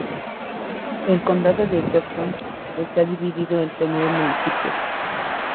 El condado de Johnson está dividido entre nueve municipios.